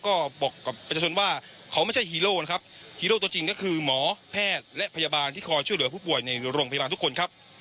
ก็บอกกับประชาชนว่าเขาไม่ใช่ฮีโร่นะครับฮีโร่ตัวจริงก็คือหมอแพทย์และพยาบาลที่คอยช่วยเหลือผู้ป่วยในโรงพยาบาลทุกคนครับ